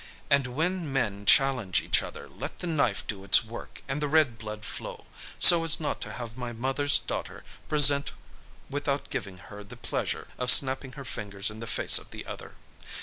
And when men challenge each other, let the knife do its work and the red blood flow, so as not to have my mother's daughter present without giving her the pleasure of snapping her fingers in the face of the other.